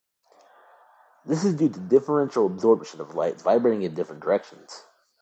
This is due to differential absorption of light vibrating in different directions.